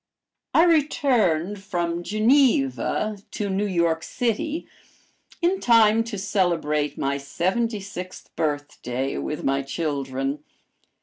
I returned from Geneva to New York city in time to celebrate my seventy sixth birthday with my children.